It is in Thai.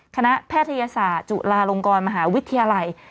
แพทยศาสตร์จุฬาลงกรมหาวิทยาลัย